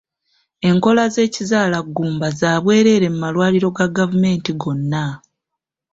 Enkola z’ekizaalaggumba za bwereere mu malwaliro ga gavumenti gonna.